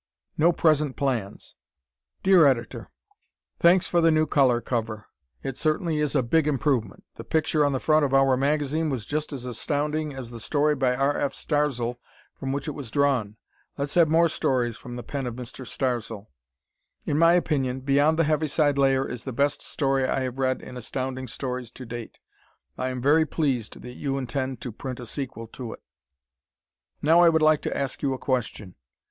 No Present Plans Dear Editor: Thanks for the new color cover. It certainly is a big improvement. The picture on the front of "our" magazine was just as astounding as the story by R. F. Starzl from which it was drawn. Let's have more stories from the pen of Mr. Starzl. In my opinion "Beyond the Heaviside Layer" is the best story I have read in Astounding Stories to date. I am very pleased that you intend to print a sequel to it. Now I would like to ask you a question.